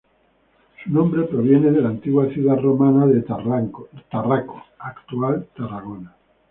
Su nombre proviene de la antigua ciudad romana de Tarraco, actual Tarragona.